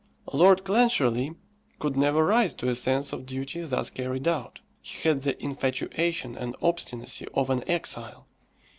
Lord Clancharlie could never rise to a sense of duty thus carried out. He had the infatuation and obstinacy of an exile.